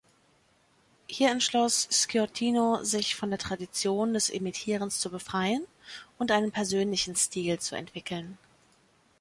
Hier entschloss Sciortino, sich von der Tradition des Imitierens zu befreien und einen persönlichen Stil zu entwickeln.